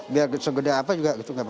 biar segede apa juga tidak pernah mengungsi